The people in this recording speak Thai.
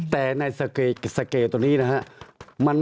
แต่ในสเกลตัวนี้นะฮะ